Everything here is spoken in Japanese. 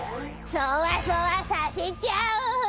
そわそわさせちゃうフラ！